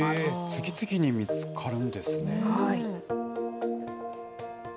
次々に見つかるんですね。